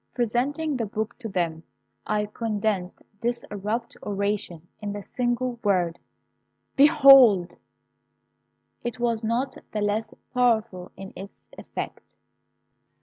Presenting the book to them, I condensed this abrupt oration in the single word "Behold!" It was not the less powerful in its effect.